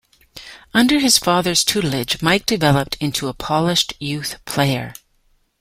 Under his father's tutelage, Mike developed into a polished youth player.